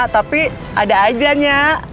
tapi ada aja nya